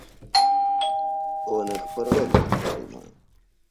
Он их пропил, я думаю.